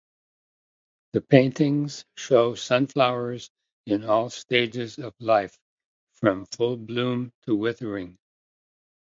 The paintings show sunflowers in all stages of life, from full bloom to withering.